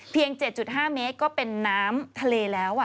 ๗๕เมตรก็เป็นน้ำทะเลแล้ว